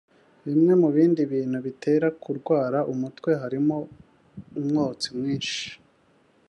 Bimwe mu bindi bintu bitera kurwara umutwe harimo umwotsi mwinshi